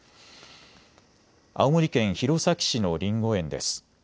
青森県弘前市のりんご園です。